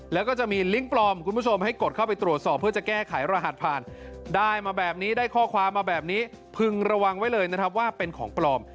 แล้วก็จะมีลิงก์ปลอมคุณผู้ชมให้กดเข้าไปตรวจสอบเพื่อจะแก้ไขรหัสผ่านได้มาแบบนี้ได้ข้อความมาแบบนี้พึงระวังไว้เลยนะครับว่าเป็นของปลอม